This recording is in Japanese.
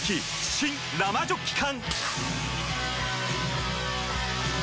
新・生ジョッキ缶！